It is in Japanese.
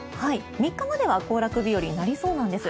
３日までは行楽日和になりそうなんです。